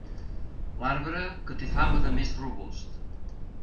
L'arbre que té fama de més robust.